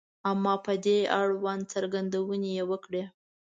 • اما په دې اړوند څرګندونې یې وکړې.